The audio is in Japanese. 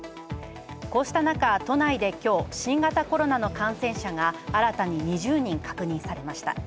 こうした中、都内で今日新型コロナの感染者が新たに２０人確認されました